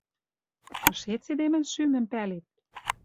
Кышец эдемӹн шӱмӹм пӓлет?